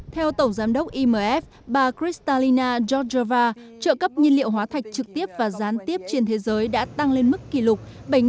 theo tổng giám đốc imf bà kristalina georgieva trợ cấp nhiên liệu hóa thạch trực tiếp và gián tiếp trên thế giới đã tăng lên mức kỳ lượng